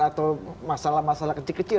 atau masalah masalah kecil kecil